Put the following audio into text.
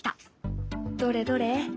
どれどれ？